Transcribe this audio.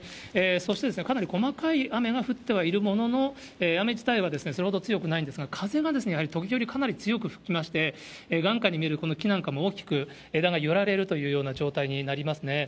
そして、かなり細かい雨が降ってはいるものの、雨自体はそれほど強くないんですが、風がやはり時折、かなり強く吹きまして、眼下に見えるこの木なんかも大きく枝が揺られるというような状態になりますね。